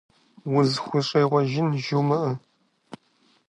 УзыхущӀегъуэжын жумыӀэ.